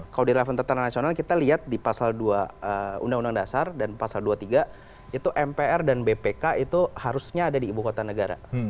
kalau di level tentara nasional kita lihat di pasal dua undang undang dasar dan pasal dua puluh tiga itu mpr dan bpk itu harusnya ada di ibu kota negara